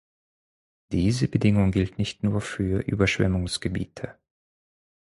Diese Bedingung gilt nicht nur für Überschwemmungsgebiete.